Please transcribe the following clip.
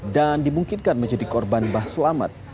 dan dimungkinkan menjadi korban mbah selamat